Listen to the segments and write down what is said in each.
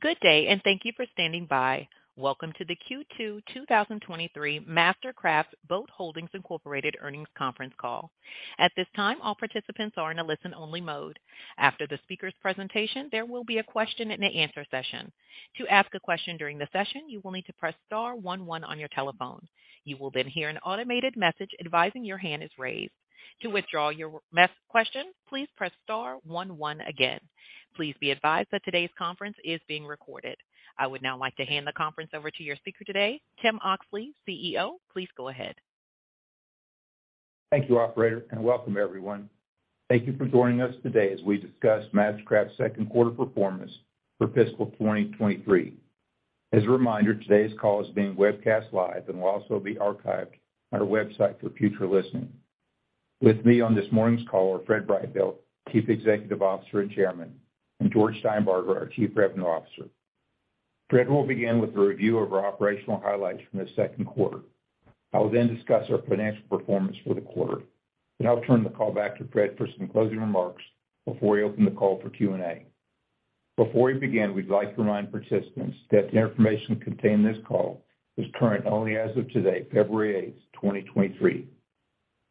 Good day. Thank you for standing by. Welcome to the Q2 2023 MasterCraft Boat Holdings, Inc. Earnings Conference Call. At this time, all participants are in a listen-only mode. After the speaker's presentation, there will be a question and answer session. To ask a question during the session, you will need to press star one one on your telephone. You will hear an automated message advising your hand is raised. To withdraw your question, please press star one one again. Please be advised that today's conference is being recorded. I would now like to hand the conference over to your speaker today, Tim Oxley, CFO. Please go ahead. Thank you, operator, and welcome everyone. Thank you for joining us today as we discuss MasterCraft's second quarter performance for fiscal 2023. As a reminder, today's call is being webcast live and will also be archived on our website for future listening. With me on this morning's call are Fred Brightbill, Chief Executive Officer and Chairman, and George Steinbarger, our Chief Revenue Officer. Fred will begin with a review of our operational highlights from the second quarter. I will then discuss our financial performance for the quarter. I'll turn the call back to Fred for some closing remarks before we open the call for Q&A. Before we begin, we'd like to remind participants that the information contained in this call is current only as of today, February 8th, 2023.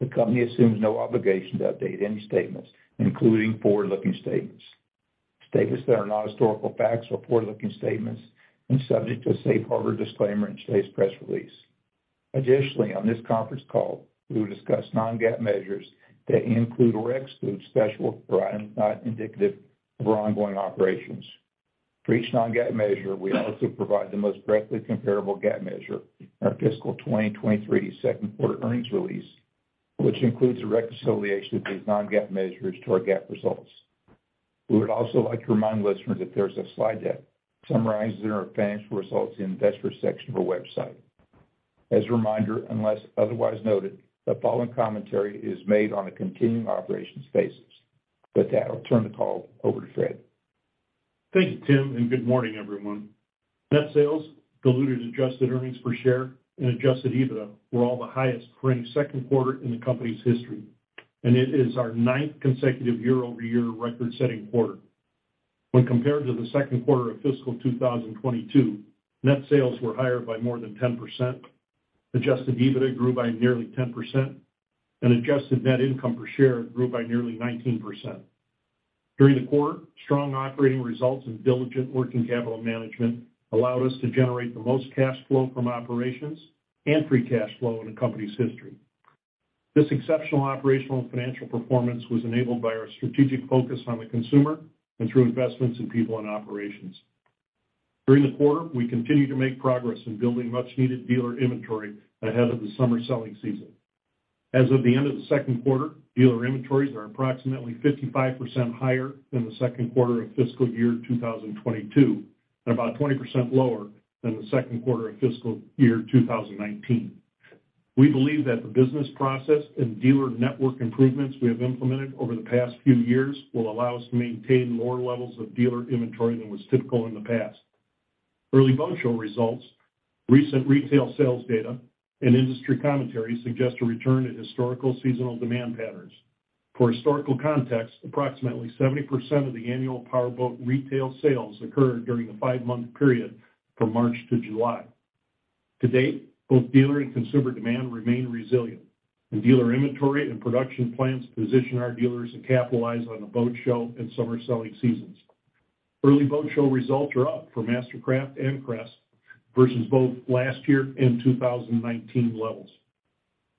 The company assumes no obligation to update any statements, including forward-looking statements. Statements that are not historical facts or forward-looking statements and subject to a safe harbor disclaimer in today's press release. Additionally, on this conference call, we will discuss non-GAAP measures that include or exclude special items not indicative of our ongoing operations. For each non-GAAP measure, we also provide the most directly comparable GAAP measure in our fiscal 2023 second-quarter earnings release, which includes a reconciliation of these non-GAAP measures to our GAAP results. We would also like to remind listeners that there's a slide deck summarizing our financial results in the investor section of our website. As a reminder, unless otherwise noted, the following commentary is made on a continuing operations basis. With that, I'll turn the call over to Fred. Thank you, Tim, and good morning, everyone. Net Sales, diluted adjusted earnings per share, and adjusted EBITDA were all the highest for any second quarter in the company's history, and it is our ninth consecutive year-over-year record-setting quarter. When compared to the second quarter of fiscal 2022, Net Sales were higher by more than 10%. Adjusted EBITDA grew by nearly 10%, and adjusted Net Income per share grew by nearly 19%. During the quarter, strong operating results and diligent working capital management allowed us to generate the most cash flow from operations and free cash flow in the company's history. This exceptional operational and financial performance was enabled by our strategic focus on the consumer and through investments in people and operations. During the quarter, we continued to make progress in building much-needed dealer inventory ahead of the summer selling season. As of the end of the second quarter, dealer inventories are approximately 55% higher than the second quarter of fiscal year 2022 and about 20% lower than the second quarter of fiscal year 2019. We believe that the business process and dealer network improvements we have implemented over the past few years will allow us to maintain more levels of dealer inventory than was typical in the past. Early boat show results, recent retail sales data, and industry commentary suggest a return to historical seasonal demand patterns. For historical context, approximately 70% of the annual power boat retail sales occur during a 5-month period from March to July. To date, both dealer and consumer demand remain resilient, and dealer inventory and production plans position our dealers to capitalize on the boat show and summer selling seasons. Early boat show results are up for MasterCraft and Crest versus both last year and 2019 levels.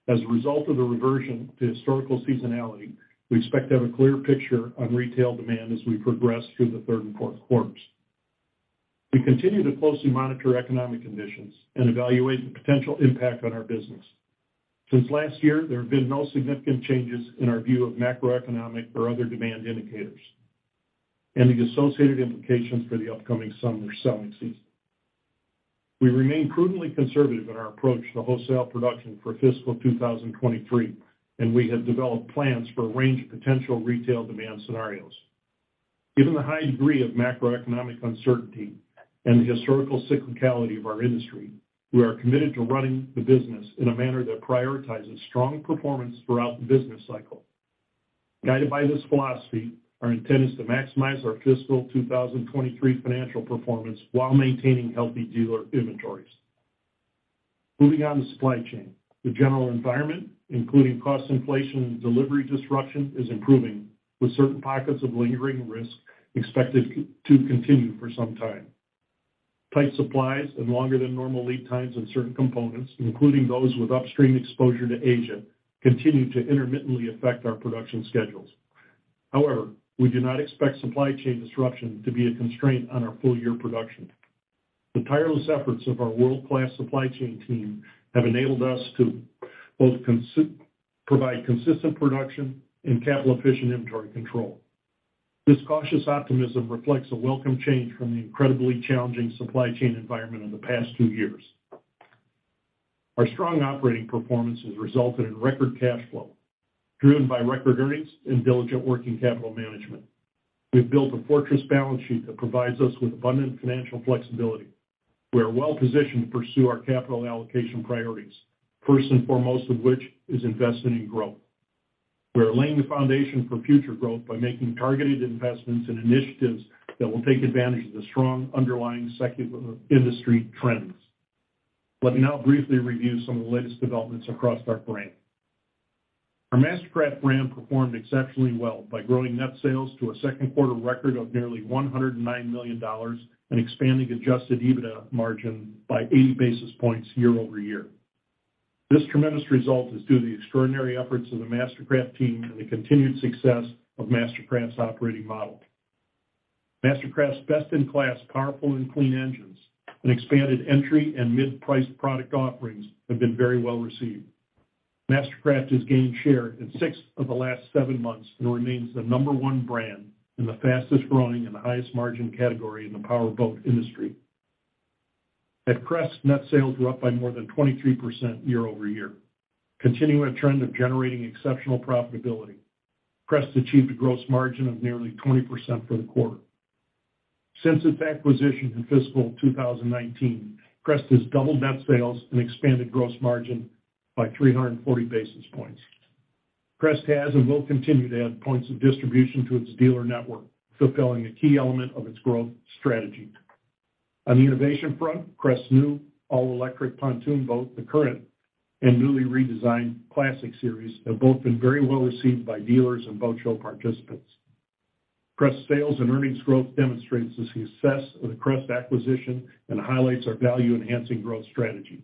As a result of the reversion to historical seasonality, we expect to have a clearer picture on retail demand as we progress through the third and fourth quarters. We continue to closely monitor economic conditions and evaluate the potential impact on our business. Since last year, there have been no significant changes in our view of macroeconomic or other demand indicators and the associated implications for the upcoming summer selling season. We remain prudently conservative in our approach to wholesale production for fiscal 2023, and we have developed plans for a range of potential retail demand scenarios. Given the high degree of macroeconomic uncertainty and the historical cyclicality of our industry, we are committed to running the business in a manner that prioritizes strong performance throughout the business cycle. Guided by this philosophy, our intent is to maximize our fiscal 2023 financial performance while maintaining healthy dealer inventories. Moving on to Supply Chain. The general environment, including cost inflation and delivery disruption, is improving, with certain pockets of lingering risk expected to continue for some time. Tight supplies and longer than normal lead times on certain components, including those with upstream exposure to Asia, continue to intermittently affect our production schedules. We do not expect supply chain disruption to be a constraint on our full year production. The tireless efforts of our world-class Supply Chain team have enabled us to both provide consistent production and capital-efficient inventory control. This cautious optimism reflects a welcome change from the incredibly challenging supply chain environment of the past two years. Our strong operating performance has resulted in record cash flow, driven by record earnings and diligent working capital management. We've built a fortress balance sheet that provides us with abundant financial flexibility. We are well-positioned to pursue our capital allocation priorities, first and foremost of which is investing in growth. We are laying the foundation for future growth by making targeted investments and initiatives that will take advantage of the strong underlying secular industry trends. Let me now briefly review some of the latest developments across our brand. Our MasterCraft brand performed exceptionally well by growing net sales to a second quarter record of nearly $109 million and expanding adjusted EBITDA margin by 80 basis points year-over-year. This tremendous result is due to the extraordinary efforts of the MasterCraft team and the continued success of MasterCraft's operating model. MasterCraft's best-in-class powerful and clean engines and expanded entry and mid-priced product offerings have been very well received. MasterCraft has gained share in six of the last seven months and remains the number one brand in the fastest-growing and the highest margin category in the power boat industry. At Crest, Net Sales were up by more than 23% year-over-year. Continuing a trend of generating exceptional profitability, Crest achieved a gross margin of nearly 20% for the quarter. Since its acquisition in fiscal 2019, Crest has doubled net sales and expanded gross margin by 340 basis points. Crest has and will continue to add points of distribution to its dealer network, fulfilling a key element of its growth strategy. On the innovation front, Crest's new all-electric pontoon boat, The Current, and newly redesigned Classic series have both been very well received by dealers and boat show participants. Crest sales and earnings growth demonstrates the success of the Crest acquisition and highlights our value-enhancing growth strategy.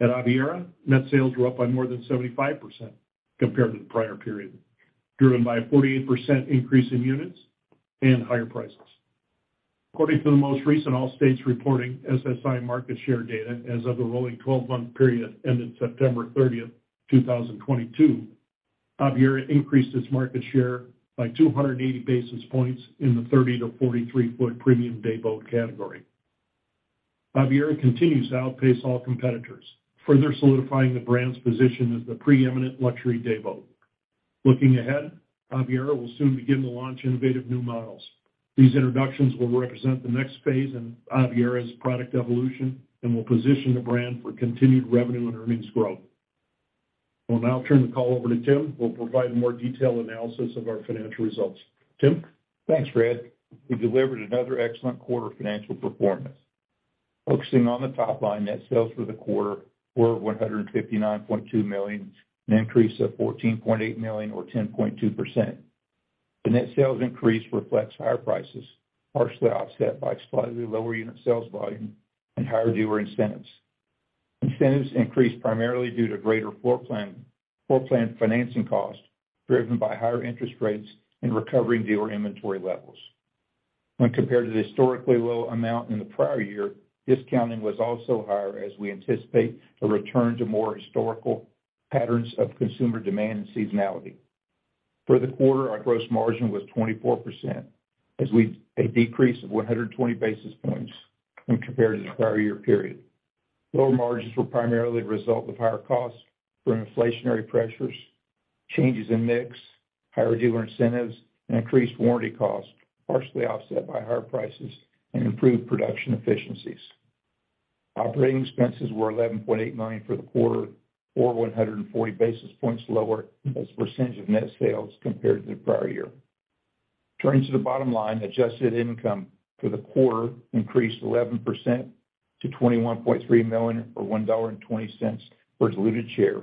At Aviara, net sales were up by more than 75% compared to the prior period, driven by a 48% increase in units and higher prices. According to the most recent All States reporting SSI market share data as of the rolling 12-month period ending September 30, 2022, Aviara increased its market share by 280 basis points in the 30-43-foot premium day boat category. Aviara continues to outpace all competitors, further solidifying the brand's position as the preeminent luxury day boat. Looking ahead, Aviara will soon begin to launch innovative new models. These introductions will represent the next phase in Aviara's product evolution and will position the brand for continued revenue and earnings growth. I'll now turn the call over to Tim, who will provide more detailed analysis of our financial results. Tim? Thanks, Fred. We delivered another excellent quarter financial performance. Focusing on the top line, Net Sales for the quarter were $159.2 million, an increase of $14.8 million or 10.2%. The Net Sales increase reflects higher prices, partially offset by slightly lower unit sales volume and higher dealer incentives. Incentives increased primarily due to greater floorplan financing costs, driven by higher interest rates and recovering dealer inventory levels. When compared to the historically low amount in the prior year, discounting was also higher as we anticipate a return to more historical patterns of consumer demand and seasonality. For the quarter, our gross margin was 24%, a decrease of 120 basis points when compared to the prior year period. Lower margins were primarily the result of higher costs from inflationary pressures, changes in mix, higher dealer incentives, and increased warranty costs, partially offset by higher prices and improved production efficiencies. Operating Expenses were $11.8 million for the quarter, or 140 basis points lower as a percentage of net sales compared to the prior year. Turning to the bottom line, Adjusted Income for the quarter increased 11% to $21.3 million or $1.20 per diluted share,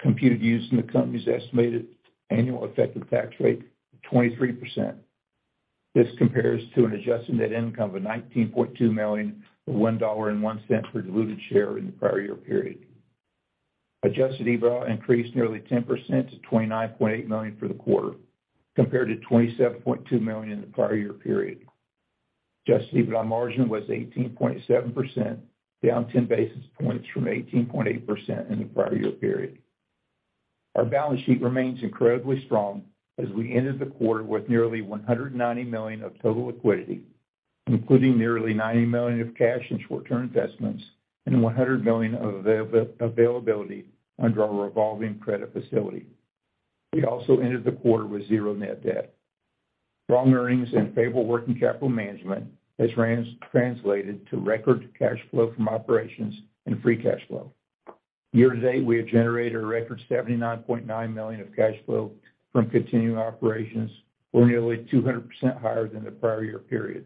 computed using the company's estimated annual effective tax rate of 23%. This compares to an adjusted Net Income of $19.2 million or $1.01 per diluted share in the prior year period. Adjusted EBITDA increased nearly 10% to $29.8 million for the quarter, compared to $27.2 million in the prior year period. Adjusted EBITDA margin was 18.7%, down 10 basis points from 18.8% in the prior year period. Our balance sheet remains incredibly strong as we ended the quarter with nearly $190 million of total liquidity, including nearly $90 million of cash and short-term investments and $100 million of availability under our revolving credit facility. We also ended the quarter with zero net debt. Strong earnings and favorable working capital management has translated to record cash flow from operations and free cash flow. Year-to-date, we have generated a record $79.9 million of cash flow from continuing operations or nearly 200% higher than the prior year period.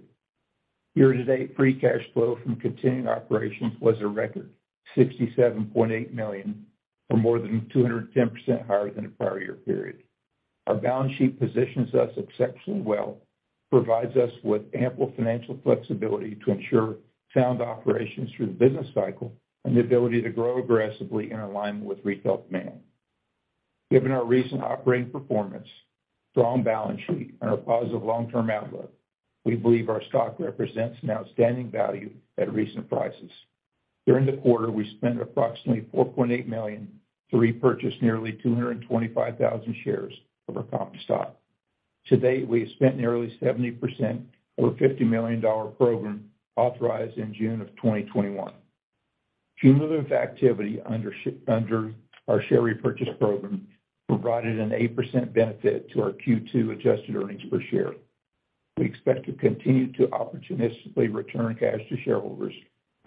Year-to-date, free cash flow from continuing operations was a record $67.8 million, or more than 210% higher than the prior year period. Our balance sheet positions us exceptionally well, provides us with ample financial flexibility to ensure sound operations through the business cycle and the ability to grow aggressively in alignment with retail demand. Given our recent operating performance, strong balance sheet, and our positive long-term outlook, we believe our stock represents an outstanding value at recent prices. During the quarter, we spent approximately $4.8 million to repurchase nearly 225,000 shares of our common stock. To date, we have spent nearly 70% of our $50 million program authorized in June of 2021. Cumulative activity under our share repurchase program provided an 8% benefit to our Q2 adjusted earnings per share. We expect to continue to opportunistically return cash to shareholders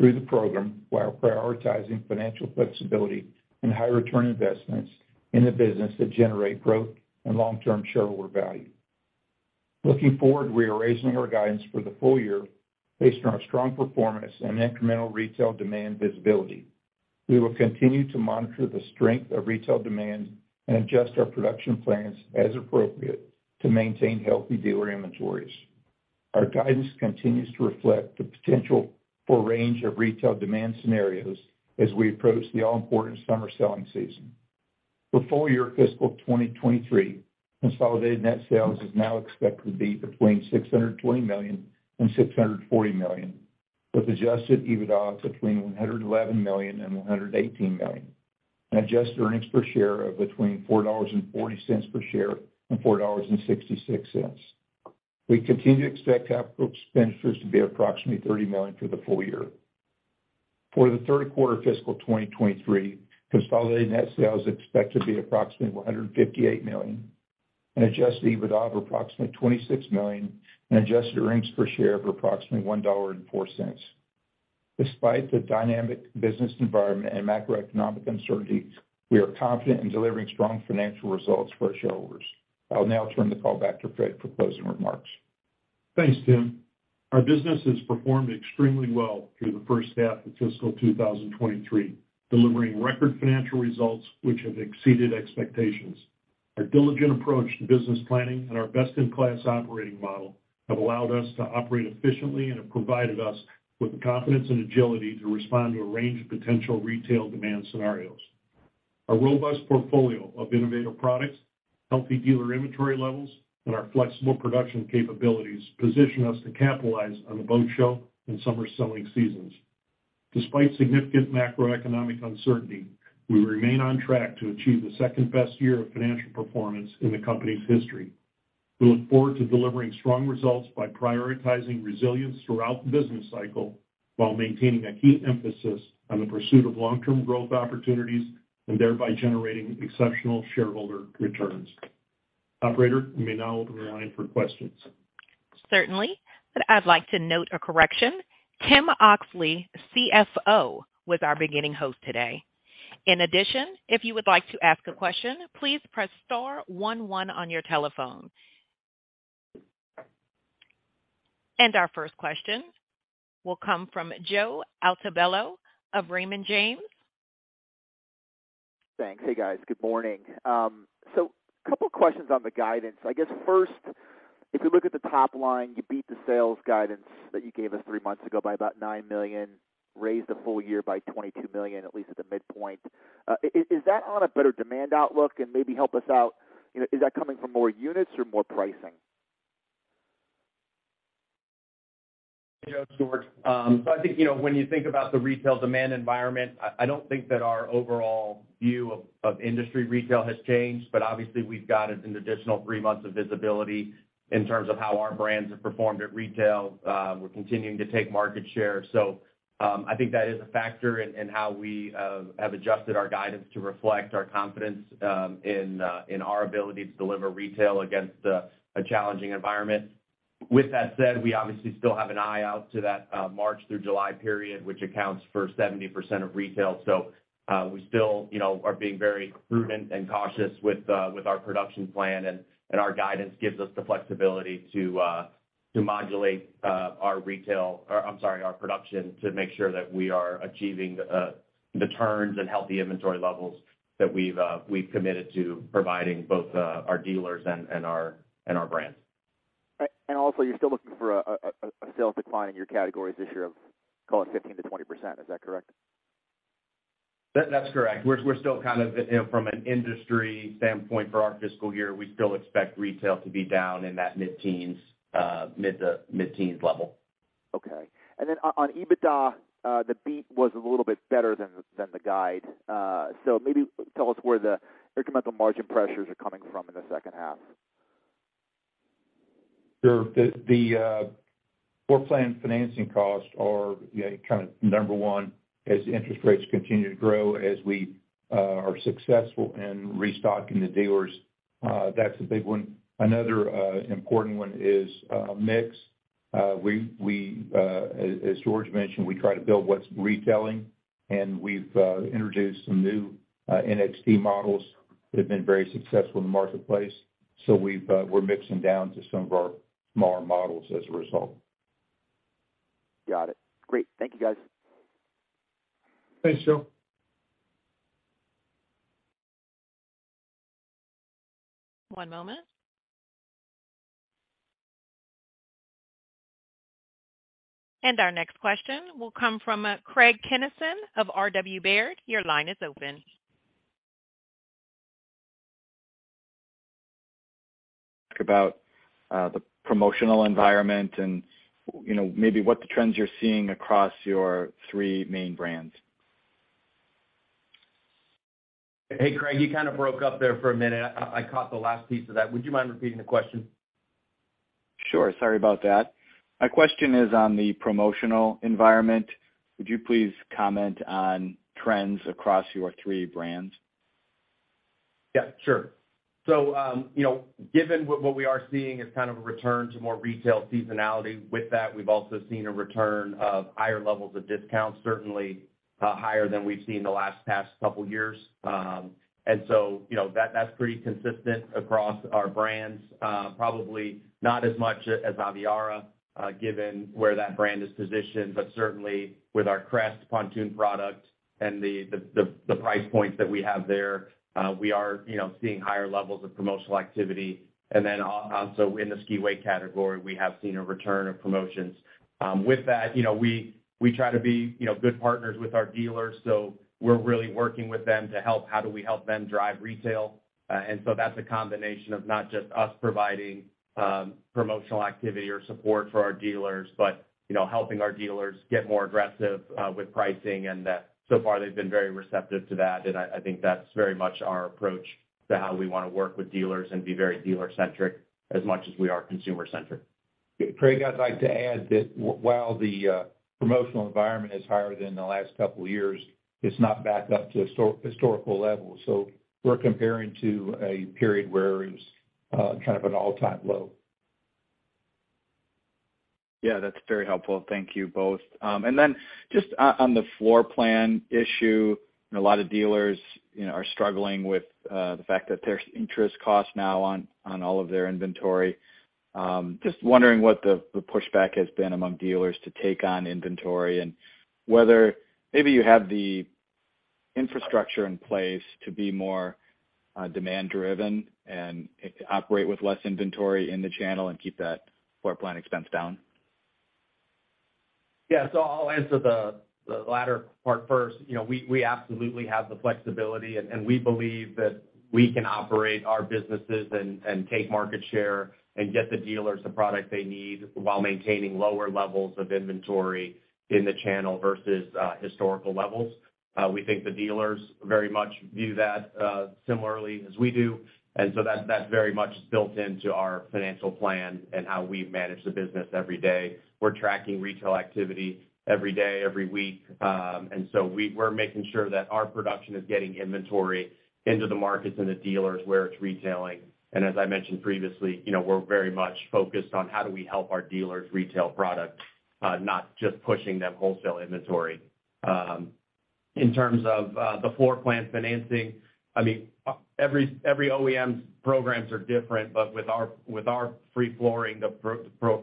through the program while prioritizing financial flexibility and high return investments in the business that generate growth and long-term shareholder value. Looking forward, we are raising our guidance for the full year based on our strong performance and incremental retail demand visibility. We will continue to monitor the strength of retail demand and adjust our production plans as appropriate to maintain healthy dealer inventories. Our guidance continues to reflect the potential for a range of retail demand scenarios as we approach the all-important summer selling season. For full year fiscal 2023, Consolidated Net Sales is now expected to be between $620 million and $640 million, with adjusted EBITDA between $111 million and $118 million, and adjusted earnings per share of between $4.40 per share and $4.66. We continue to expect capital expenditures to be approximately $30 million through the full year. For the third quarter fiscal 2023, consolidated net sales is expected to be approximately $158 million, an adjusted EBITDA of approximately $26 million and adjusted earnings per share of approximately $1.04. Despite the dynamic business environment and macroeconomic uncertainties, we are confident in delivering strong financial results for our shareholders. I'll now turn the call back to Fred for closing remarks. Thanks, Tim. Our business has performed extremely well through the first half of fiscal 2023, delivering record financial results which have exceeded expectations. Our diligent approach to business planning and our best-in-class operating model have allowed us to operate efficiently and have provided us with the confidence and agility to respond to a range of potential retail demand scenarios. A robust portfolio of innovative products, healthy dealer inventory levels, and our flexible production capabilities position us to capitalize on the boat show and summer selling seasons. Despite significant macroeconomic uncertainty, we remain on track to achieve the second-best year of financial performance in the company's history. We look forward to delivering strong results by prioritizing resilience throughout the business cycle, while maintaining a key emphasis on the pursuit of long-term growth opportunities and thereby generating exceptional shareholder returns. Operator, you may now open the line for questions. Certainly, I'd like to note a correction. Tim Oxley, CFO, was our beginning host today. If you would like to ask a question, please press star one one on your telephone. Our first question will come from Joe Altobello of Raymond James. Thanks. Hey, guys. Good morning. Couple questions on the guidance. I guess first, if you look at the top line, you beat the sales guidance that you gave us three months ago by about $9 million, raised the full year by $22 million, at least at the midpoint. Is that on a better demand outlook? Maybe help us out, you know, is that coming from more units or more pricing? Joe, it's George. I think, you know, when you think about the retail demand environment, I don't think that our overall view of industry retail has changed, but obviously we've got an additional three months of visibility in terms of how our brands have performed at retail. We're continuing to take market share. I think that is a factor in how we have adjusted our guidance to reflect our confidence in our ability to deliver retail against a challenging environment. With that said, we obviously still have an eye out to that March through July period, which accounts for 70% of retail. We still, you know, are being very prudent and cautious with our production plan, our guidance gives us the flexibility to modulate our production to make sure that we are achieving the turns and healthy inventory levels that we've committed to providing both our dealers and our brands. Also, you're still looking for a sales decline in your categories this year of, call it 15%-20%. Is that correct? That's correct. We're still kind of, you know, from an industry standpoint for our fiscal year, we still expect retail to be down in that mid-teens, mid to mid-teens level. Okay. Then on EBITDA, the beat was a little bit better than the guide. Maybe tell us where the incremental margin pressures are coming from in the second half. Sure. The floorplan financing costs are, you know, kind of number one, as interest rates continue to grow, as we are successful in restocking the dealers. That's a big one. Another important one is mix. We, as George mentioned, we try to build what's retailing, and we've introduced some new NXT models that have been very successful in the marketplace. We've, we're mixing down to some of our smaller models as a result. Got it. Great. Thank you, guys. Thanks, Joe. One moment. Our next question will come from, Craig Kennison of RW Baird. Your line is open. About, the promotional environment and, you know, maybe what the trends you're seeing across your three main brands? Hey, Craig, you kind of broke up there for a minute. I caught the last piece of that. Would you mind repeating the question? Sure. Sorry about that. My question is on the promotional environment. Would you please comment on trends across your three brands? Yeah, sure. You know, given what we are seeing as kind of a return to more retail seasonality, with that, we've also seen a return of higher levels of discounts, certainly, higher than we've seen in the last past couple years. You know, that's pretty consistent across our brands. Probably not as much as Aviara, given where that brand is positioned, but certainly with our Crest pontoon product and the price points that we have there, we are, you know, seeing higher levels of promotional activity. Also in the ski wake category, we have seen a return of promotions. With that, you know, we try to be, you know, good partners with our dealers, so we're really working with them to help how do we help them drive retail. So that's a combination of not just us providing promotional activity or support for our dealers, but, you know, helping our dealers get more aggressive with pricing. So far they've been very receptive to that. I think that's very much our approach to how we wanna work with dealers and be very dealer-centric as much as we are consumer-centric. Craig, I'd like to add that while the promotional environment is higher than the last couple years, it's not back up to historical levels. We're comparing to a period where it was kind of an all-time low. Yeah, that's very helpful. Thank you both. Then just on the floor plan issue, a lot of dealers, you know, are struggling with the fact that there's interest costs now on all of their inventory. Just wondering what the pushback has been among dealers to take on inventory and whether maybe you have the infrastructure in place to be more demand driven and operate with less inventory in the channel and keep that floor plan expense down. Yeah. I'll answer the latter part first. You know, we absolutely have the flexibility, and we believe that we can operate our businesses and take market share and get the dealers the product they need while maintaining lower levels of inventory in the channel versus historical levels. We think the dealers very much view that similarly as we do. That, that very much is built into our financial plan and how we manage the business every day. We're tracking retail activity every day, every week. We're making sure that our production is getting inventory into the markets and the dealers where it's retailing. As I mentioned previously, you know, we're very much focused on how do we help our dealers retail product, not just pushing them wholesale inventory. In terms of the floor plans financing, I mean, every OEM's programs are different, but with our, with our free flooring, the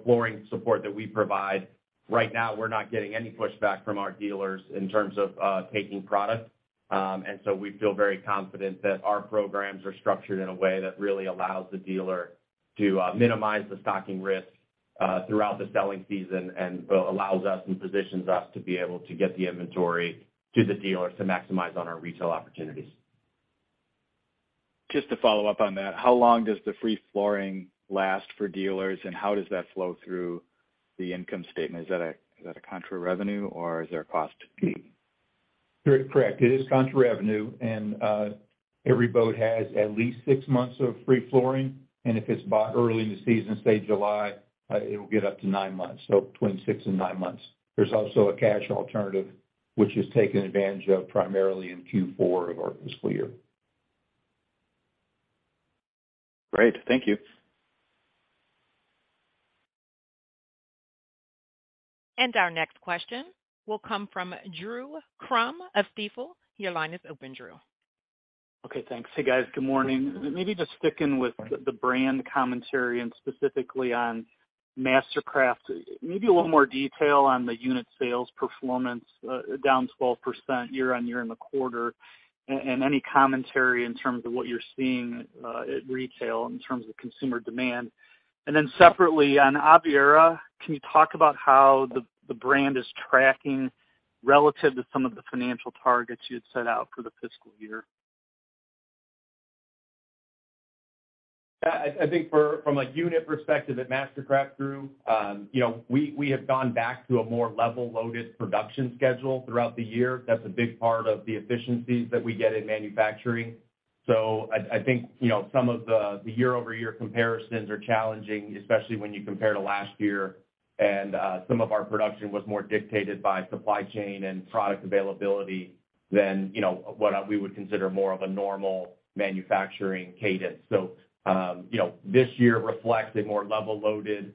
flooring support that we provide, right now, we're not getting any pushback from our dealers in terms of taking product. We feel very confident that our programs are structured in a way that really allows the dealer to minimize the stocking risk throughout the selling season and allows us and positions us to be able to get the inventory to the dealers to maximize on our retail opportunities. Just to follow up on that, how long does the free flooring last for dealers, and how does that flow through the income statement? Is that a, is that a contra revenue or is there a cost? Correct. It is contra revenue. Every boat has at least six months of free flooring, and if it's bought early in the season, say July, it'll get up to nine months, so between six and nine months. There's also a cash alternative which is taken advantage of primarily in Q4 of our fiscal year. Great. Thank you. Our next question will come from Drew Crum of Stifel. Your line is open, Drew. Okay, thanks. Hey, guys. Good morning. Maybe just sticking with the brand commentary and specifically on MasterCraft, maybe a little more detail on the unit sales performance, down 12% year-on-year in the quarter, and any commentary in terms of what you're seeing at retail in terms of consumer demand. Separately on Aviara, can you talk about how the brand is tracking relative to some of the financial targets you had set out for the fiscal year? Yeah. I think from a unit perspective at MasterCraft, Drew, you know, we have gone back to a more level-loaded production schedule throughout the year. That's a big part of the efficiencies that we get in manufacturing. I think, you know, some of the year-over-year comparisons are challenging, especially when you compare to last year. Some of our production was more dictated by supply chain and product availability than, you know, what we would consider more of a normal manufacturing cadence. You know, this year reflects a more level-loaded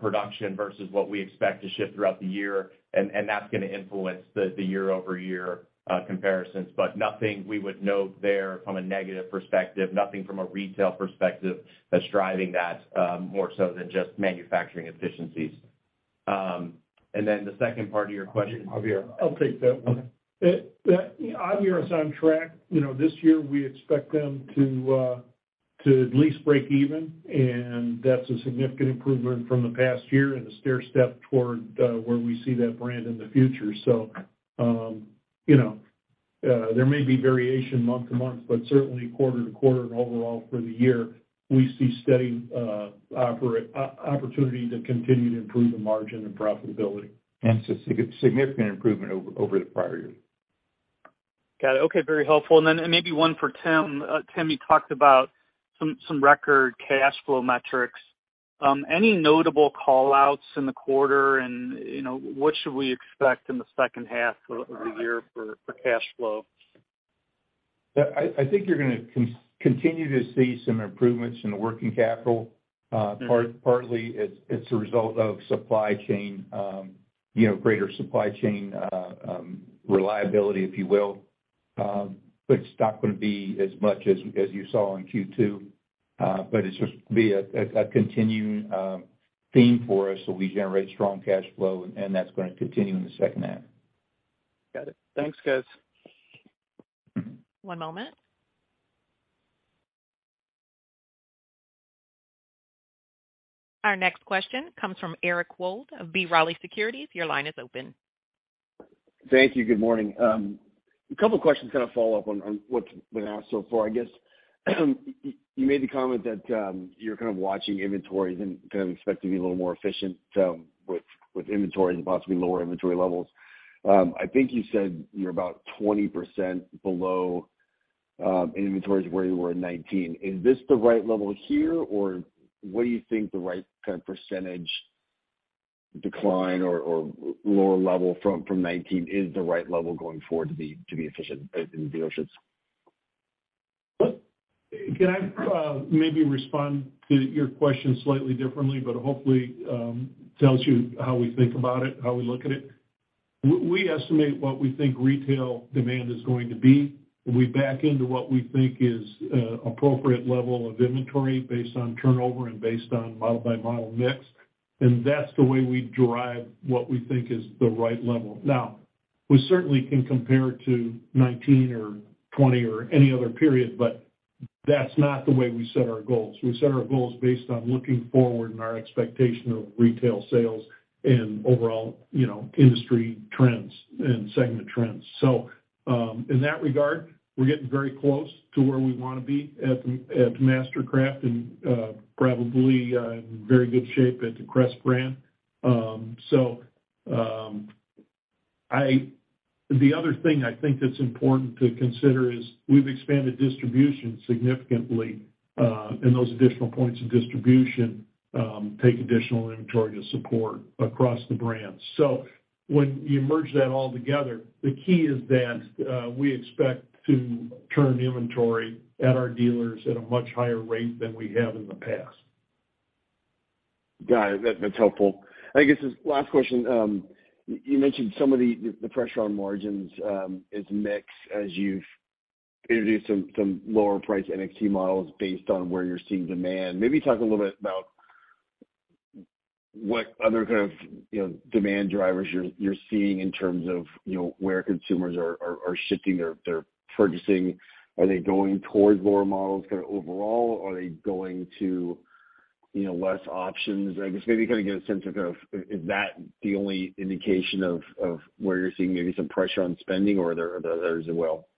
production versus what we expect to ship throughout the year, and that's gonna influence the year-over-year comparisons. Nothing we would note there from a negative perspective, nothing from a retail perspective that's driving that, more so than just manufacturing efficiencies. The second part of your question? Aviara. I'll take that one. Aviara's on track. You know, this year, we expect them to to at least break even, and that's a significant improvement from the past year and a stairstep toward where we see that brand in the future. You know, there may be variation month to month, but certainly quarter to quarter and overall for the year, we see steady opportunity to continue to improve the margin and profitability. It's a significant improvement over the prior year. Got it. Okay. Very helpful. Maybe one for Tim. Tim, you talked about some record cash flow metrics. Any notable call-outs in the quarter and, you know, what should we expect in the second half of the year for cash flow? Yeah, I think you're gonna continue to see some improvements in the working capital. Partly it's a result of supply chain, you know, greater supply chain reliability, if you will. It's not gonna be as much as you saw in Q2. It's just be a continuing theme for us where we generate strong cash flow, and that's gonna continue in the second half. Got it. Thanks, guys. One moment. Our next question comes from Eric Wold of B. Riley Securities. Your line is open. Thank you. Good morning. A couple questions kind of follow up on what's been asked so far, I guess. You made the comment that you're kind of watching inventories and kind of expect to be a little more efficient with inventory and possibly lower inventory levels. I think you said you're about 20% below inventories where you were in 2019. Is this the right level here, or what do you think the right kind of percentage decline or lower level from 2019 is the right level going forward to be efficient in the dealerships? Can I, maybe respond to your question slightly differently, but hopefully, tells you how we think about it, how we look at it? We estimate what we think retail demand is going to be, and we back into what we think is appropriate level of inventory based on turnover and based on model-by-model mix. That's the way we derive what we think is the right level. We certainly can compare to 19 or 20 or any other period, but that's not the way we set our goals. We set our goals based on looking forward and our expectation of retail sales and overall, you know, industry trends and segment trends. In that regard, we're getting very close to where we wanna be at MasterCraft and, probably, in very good shape at the Crest brand. The other thing I think that's important to consider is we've expanded distribution significantly, and those additional points of distribution take additional inventory to support across the brands. When you merge that all together, the key is that we expect to turn inventory at our dealers at a much higher rate than we have in the past. Got it. That's helpful. I guess as last question. You mentioned some of the pressure on margins, is mix as you've introduced some lower priced NXT models based on where you're seeing demand. Maybe talk a little bit about what other kind of, you know, demand drivers you're seeing in terms of, you know, where consumers are shifting their purchasing. Are they going towards lower models kind of overall? Are they going to, you know, less options? I guess maybe kind of get a sense of kind of is that the only indication of where you're seeing maybe some pressure on spending or are there others as well?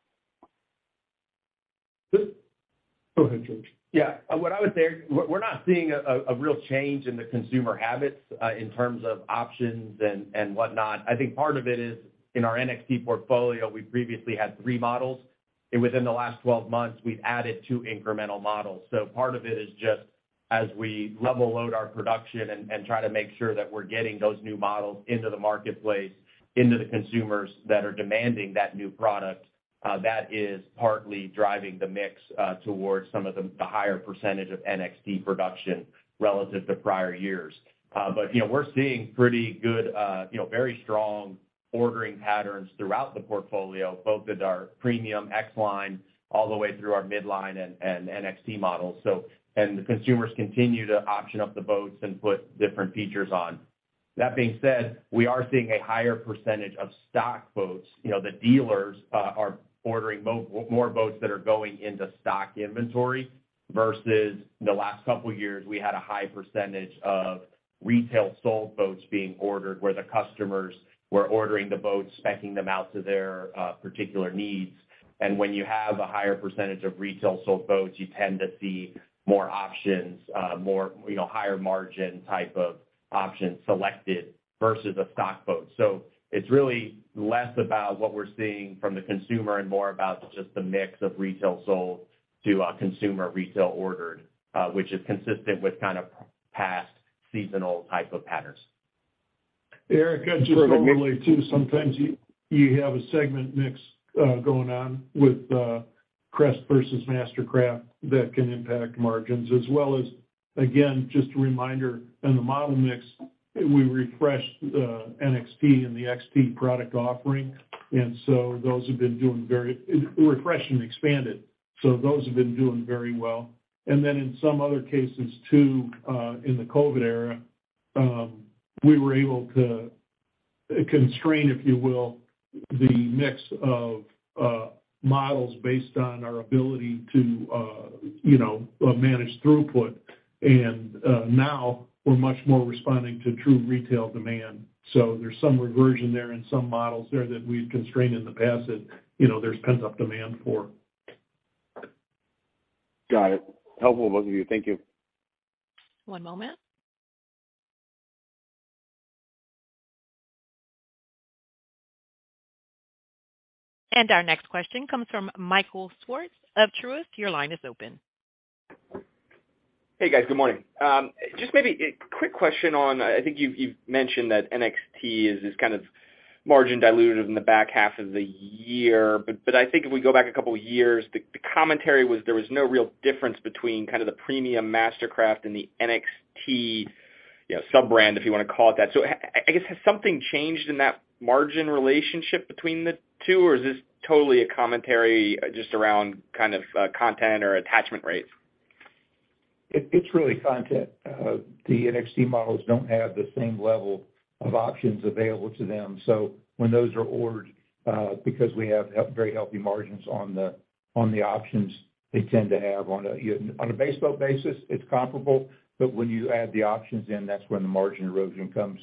Go ahead, George. Yeah. What I would say, we're not seeing a real change in the consumer habits in terms of options and whatnot. I think part of it is in our NXT portfolio, we previously had three models, and within the last 12 months, we've added two incremental models. Part of it is just as we level load our production and try to make sure that we're getting those new models into the marketplace, into the consumers that are demanding that new product, that is partly driving the mix towards some of the higher percentage of NXT production relative to prior years. You know, we're seeing pretty good, you know, very strong ordering patterns throughout the portfolio, both at our premium X Series all the way through our midline and NXT models. The consumers continue to option up the boats and put different features on. That being said, we are seeing a higher percentage of stock boats. You know, the dealers are ordering more boats that are going into stock inventory versus the last couple of years, we had a high percentage of retail sold boats being ordered, where the customers were ordering the boats, spec-ing them out to their particular needs. When you have a higher percentage of retail sold boats, you tend to see more options, more, you know, higher margin type of options selected versus a stock boat. It's really less about what we're seeing from the consumer and more about just the mix of retail sold to a consumer retail ordered, which is consistent with kind of past seasonal type of patterns. Eric, I'd just normally, too, sometimes you have a segment mix, going on with Crest versus MasterCraft that can impact margins as well as, again, just a reminder on the model mix, we refreshed the NXT and the XT product offering, and so those have been re-refresh and expanded. So those have been doing very well. Then in some other cases, too, in the COVID era, we were able to constrain, if you will, the mix of models based on our ability to, you know, manage throughput. Now we're much more responding to true retail demand. So there's some reversion there in some models there that we've constrained in the past that, you know, there's pent-up demand for. Got it. Helpful, both of you. Thank you. One moment. Our next question comes from Michael Swartz of Truist. Your line is open. Hey, guys. Good morning. Just maybe a quick question on, I think you've mentioned that NXT is kind of margin dilutive in the back half of the year, but I think if we go back a couple years, the commentary was there was no real difference between kind of the premium MasterCraft and the NXT, you know, sub-brand, if you wanna call it that. I guess, has something changed in that margin relationship between the two, or is this totally a commentary just around kind of content or attachment rates? It, it's really content. The NXT models don't have the same level of options available to them. When those are ordered, because we have very healthy margins on the, on the options they tend to have on a, on a base boat basis, it's comparable, but when you add the options in, that's when the margin erosion comes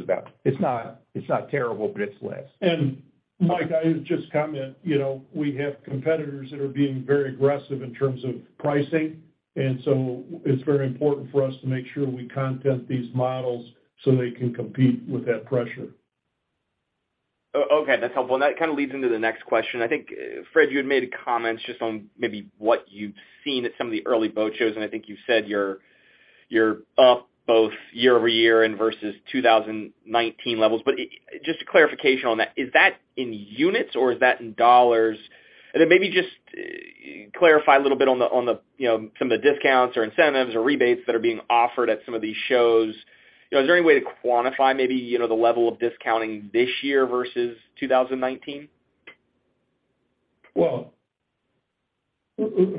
about. It's not terrible, but it's less. Mike, I will just comment, you know, we have competitors that are being very aggressive in terms of pricing, and so it's very important for us to make sure we content these models so they can compete with that pressure. Okay, that's helpful. That kind of leads into the next question. I think, Fred, you had made comments just on maybe what you've seen at some of the early boat shows, and I think you said you're up both year-over-year and versus 2019 levels. Just a clarification on that, is that in units or is that in dollars? And then maybe just clarify a little bit on the, you know, some of the discounts or incentives or rebates that are being offered at some of these shows. You know, is there any way to quantify maybe, you know, the level of discounting this year versus 2019? Well,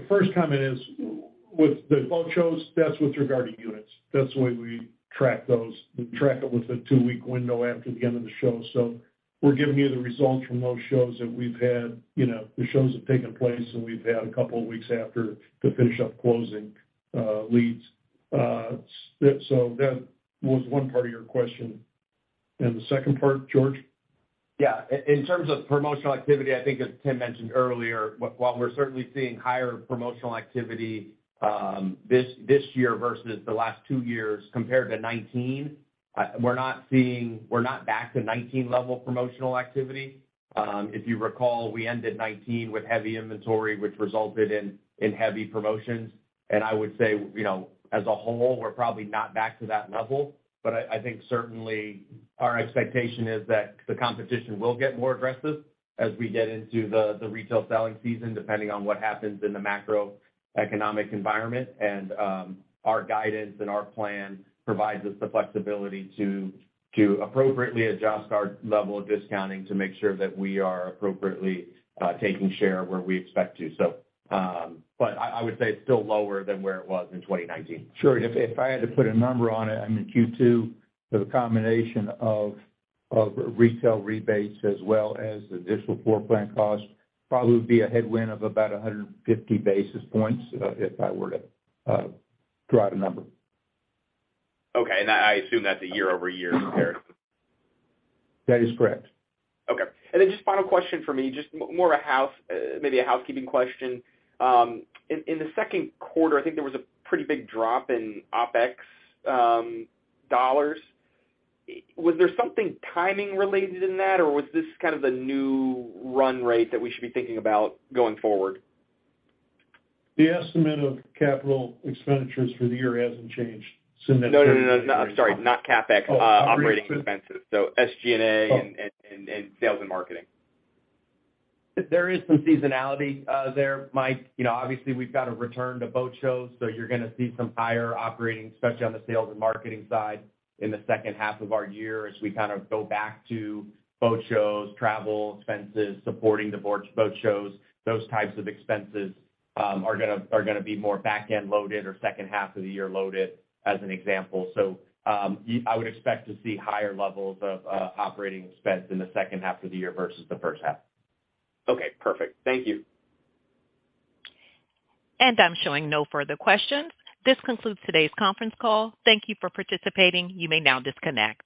first comment is with the boat shows, that's with regarding units. That's the way we track those. We track it with a 2-week window after the end of the show. We're giving you the results from those shows that we've had, you know, the shows have taken place and we've had two weeks after to finish up closing leads. So that was one part of your question. The second part, George? Yeah. In terms of promotional activity, I think as Tim mentioned earlier, while we're certainly seeing higher promotional activity, this year versus the last two years compared to 2019, we're not back to 2019 level promotional activity. If you recall, we ended 2019 with heavy inventory, which resulted in heavy promotions. I would say, you know, as a whole, we're probably not back to that level. I think certainly our expectation is that the competition will get more aggressive as we get into the retail selling season, depending on what happens in the macroeconomic environment. Our guidance and our plan provides us the flexibility to appropriately adjust our level of discounting to make sure that we are appropriately taking share where we expect to. I would say it's still lower than where it was in 2019. Sure. If I had to put a number on it in the Q2, the combination of retail rebates as well as the additional floor plan costs probably would be a headwind of about 150 basis points, if I were to throw out a number. Okay. I assume that's a year-over-year comparison. That is correct. Okay. Just final question for me, just maybe a housekeeping question. In the second quarter, I think there was a pretty big drop in OpEx dollars. Was there something timing related in that, or was this kind of the new run rate that we should be thinking about going forward? The estimate of capital expenditures for the year hasn't changed since- No, no, no. I'm sorry, not CapEx. Oh. Operating expenses, so SG&A and sales and marketing. There is some seasonality there, Mike. You know, obviously we've got a return to boat shows, so you're gonna see some higher operating, especially on the sales and marketing side in the second half of our year as we kind of go back to boat shows, travel, expenses, supporting the boat shows. Those types of expenses are gonna be more back-end loaded or second half of the year loaded, as an example. I would expect to see higher levels of operating expense in the second half of the year versus the first half. Okay. Perfect. Thank you. I'm showing no further questions. This concludes today's conference call. Thank you for participating. You may now disconnect.